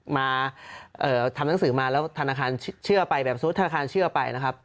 มาทำหนังสือมาแล้วธนาคารเชื่อไปแบบสมมุติธนาคารเชื่อไปนะครับ